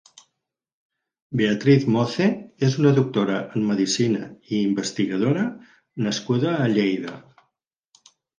Beatriz Mothe és una doctora en Medicina i investigadora nascuda a Lleida.